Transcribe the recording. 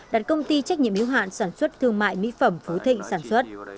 đặt công ty trách nhiệm hiếu hạn sản xuất thương mại mỹ phẩm phú thịnh sản xuất